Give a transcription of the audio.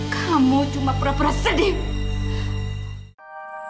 kamu cuma pura pura sedih